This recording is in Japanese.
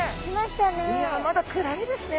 いやまだ暗いですね。